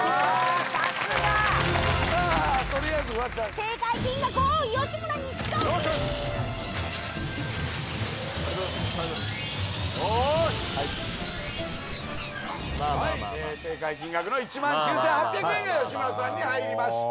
正解金額の１万９，８００円が吉村さんに入りました。